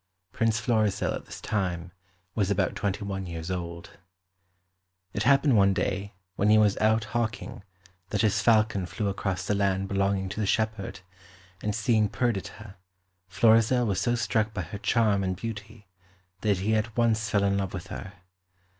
Prince Florizel at this time was about twenty one years old. It happened one day when he was out hawking that his falcon flew across the land belonging to the shepherd, and seeing Perdita, Florizel was so struck by her charm and beauty that he at once fell in love with her.